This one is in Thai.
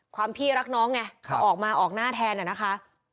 พี่รักน้องไงเขาออกมาออกหน้าแทนนะคะ